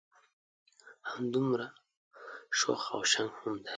همدمره شوخ او شنګ هم دی.